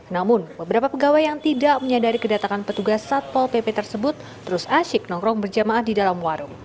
namun beberapa pegawai yang tidak menyadari kedatangan petugas satpol pp tersebut terus asyik nongkrong berjamaah di dalam warung